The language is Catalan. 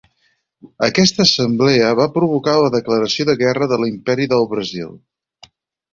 Aquesta assemblea va provocar la declaració de guerra de l'Imperi del Brasil.